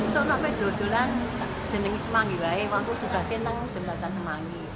soalnya dulu dulu jenengi semangi wangku juga senang jenengi semangi